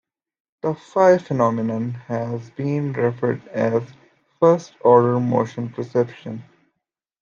The phi phenomenon has been referred to as "first-order" motion perception.